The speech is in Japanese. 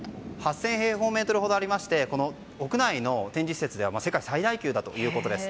８０００平方メートルほどありまして屋内の展示施設では世界最大級だということです。